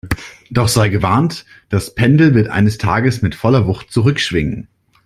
Doch sei gewarnt, das Pendel wird eines Tages mit voller Wucht zurückschwingen!